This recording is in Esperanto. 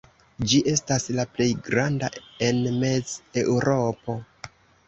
Ĝi estas la plej granda en Mez-Eŭropo.